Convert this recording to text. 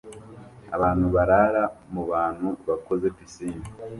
abantu barara mubantu bakoze pisine